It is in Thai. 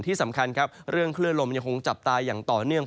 ที่สำคัญครับเรื่องคลื่นลมยังคงจับตาอย่างต่อเนื่อง